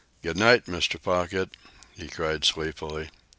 "Good night, Mr. Pocket," he called sleepily.